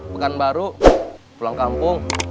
bekan baru pulang kampung